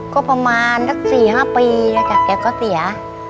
ก็ประมาณสักสี่ห้าปีแล้วจากแก่ก็เสีย